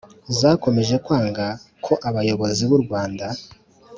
zakomeje kwanga ko abayobozi b'u rwanda